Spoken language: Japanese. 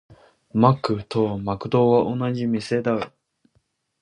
マックとマクドは同じ店だよ。